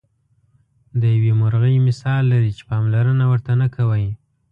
د یوې مرغۍ مثال لري چې پاملرنه ورته نه کوئ.